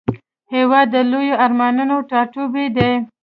هېواد د لویو ارمانونو ټاټوبی دی.